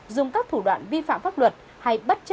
dùng các thủ đoạn vi phạm pháp luật